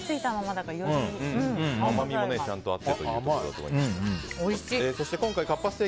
甘みがちゃんとあって。